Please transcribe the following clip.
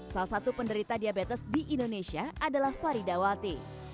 salah satu penderita diabetes di indonesia adalah faridawati